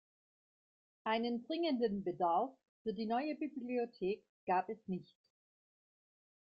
Einen dringenden Bedarf für die neue Bibliothek gab es nicht.